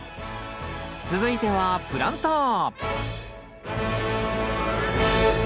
続いてはプランター！